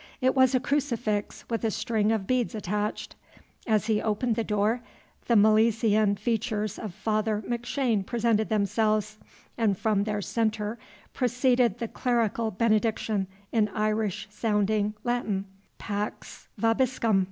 It was a crucifix with a string of beads attached. As he opened the door, the Milesian features of Father McShane presented themselves, and from their centre proceeded the clerical benediction in Irish sounding Latin, Pax vobiscum!